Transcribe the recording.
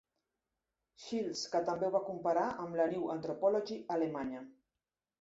Shields, que també ho va comparar amb la "Neue Anthropologie" alemanya.